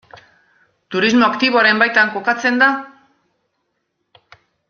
Turismo aktiboaren baitan kokatzen da?